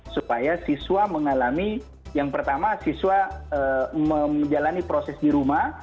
supaya siswa mengalami yang pertama siswa menjalani proses di rumah